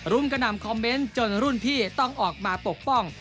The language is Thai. กระหน่ำคอมเมนต์จนรุ่นพี่ต้องออกมาปกป้อง